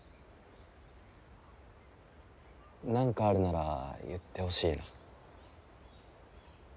何かあるなら言ってほしい。